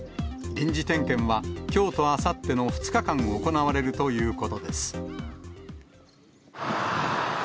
臨時点検は、きょうとあさっての２日間、行われるということです。